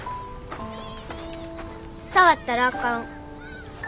触ったらあかん。